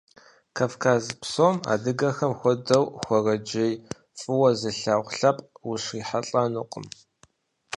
Кавказ псом адыгэхэм хуэдэу хуэрэджейр фӀыуэ зылъагъу лъэпкъ ущрихьэлӀэнукъым.